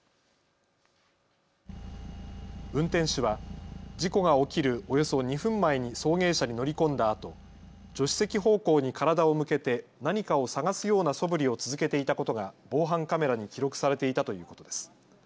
運転手は事故が起きるおよそ２分前に送迎車に乗り込んだあと助手席方向に体を向けて何かを探すようなそぶりを続けていたことが防犯カメラに記録されていたということです。